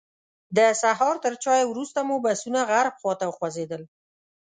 د سهار تر چایو وروسته مو بسونه غرب خواته وخوځېدل.